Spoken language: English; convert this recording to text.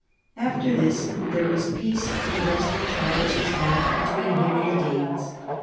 After this there was peace for the rest of Charles's life between him and the Danes.